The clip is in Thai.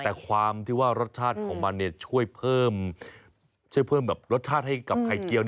แต่ความที่ว่ารสชาติของมันช่วยเพิ่มรสชาติให้กับไข่เจียว